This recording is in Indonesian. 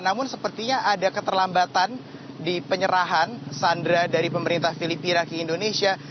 namun sepertinya ada keterlambatan di penyerahan sandra dari pemerintah filipina ke indonesia